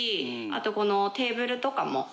あとこのテーブルとかも。